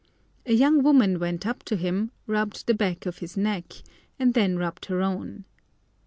A young woman went up to him, rubbed the back of his neck, and then rubbed her own.